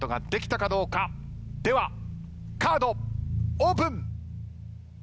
ではカードオープン！